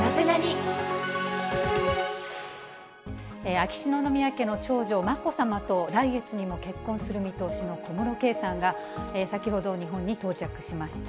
秋篠宮家の長女、まこさまと来月にも結婚する見通しの小室圭さんが、先ほど、日本に到着しました。